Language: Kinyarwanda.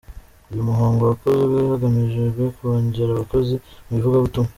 Uyu muhango wakozwe hagamijwe kongera abakozi mu ivugabutumwa.